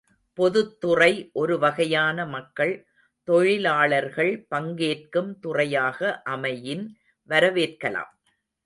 பொதுத் துறை ஒருவகையான மக்கள், தொழிலாளர்கள் பங்கேற்கும் துறையாக அமையின் வரவேற்கலாம்.